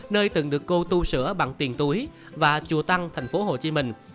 nơi từng được cô tu sửa bằng tiền túi và chùa tăng thành phố hồ chí minh